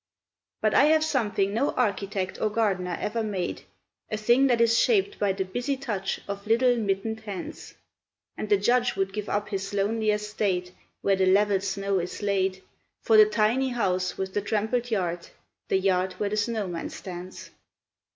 But I have something no architect or gardener ever made, A thing that is shaped by the busy touch of little mittened hands: And the Judge would give up his lonely estate, where the level snow is laid For the tiny house with the trampled yard, the yard where the snowman stands.